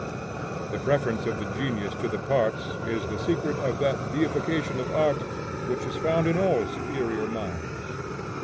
This preference of the genius to the parts is the secret of that deification of art, which is found in all superior minds.